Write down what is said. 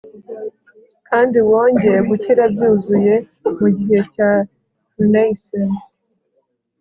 kandi wongeye gukira byuzuye mugihe cya renaissance